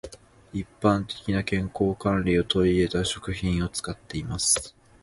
一般的な健康管理を取り入れた食品を使っています。